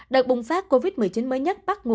đợt bùng phát covid một mươi chín mới nhất bắt nguồn